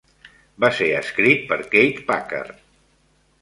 Va ser escrit per Keith Packard.